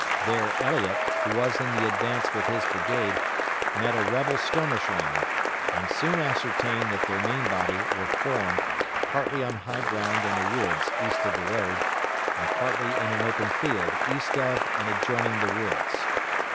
There Elliot, who was in the advance with his brigade, met a rebel skirmish line, and soon ascertained that their main body were formed, partly on high ground in a woods east of the road, and partly in an open field east of and adjoining the woods.